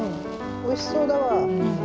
おいしそうだわ。